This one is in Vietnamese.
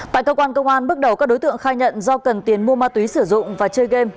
tại cơ quan công an bước đầu các đối tượng khai nhận do cần tiền mua ma túy sử dụng và chơi game